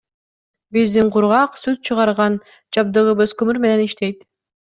Биздин кургак сүт чыгарган жабдыгыбыз көмүр менен иштейт.